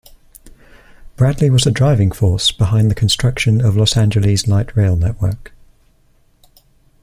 Bradley was a driving force behind the construction of Los Angeles' light rail network.